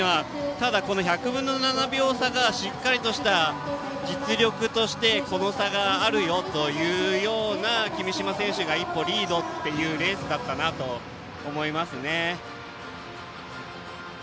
ただ、この１００分の７秒差がしっかりとした実力としてこの差があるよというような君嶋選手が一歩リードというレースだったと思います。